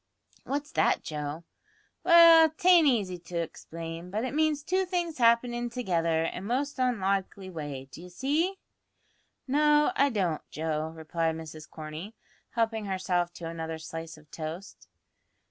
"What's that, Joe?" "Well, t'ain't easy to explain, but it means two things happenin' together in a most onlikely way d'ye see?" "No, I don't, Joe," replied Mrs Corney, helping herself to another slice of toast.